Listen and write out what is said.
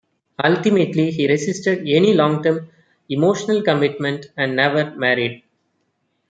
Ultimately, he resisted any long-term emotional commitment, and never married.